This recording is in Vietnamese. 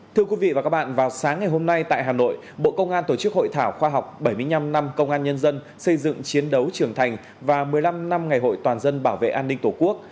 thưa quý vị và các bạn vào sáng ngày hôm nay tại hà nội bộ công an tổ chức hội thảo khoa học bảy mươi năm năm công an nhân dân xây dựng chiến đấu trưởng thành và một mươi năm năm ngày hội toàn dân bảo vệ an ninh tổ quốc